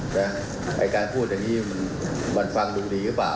ไอ้การพูดอย่างนี้มันฟังดูดีหรือเปล่า